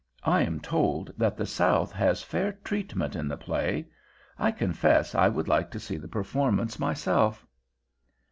I am told that the South has very fair treatment in the play. I confess I should like to see the performance myself."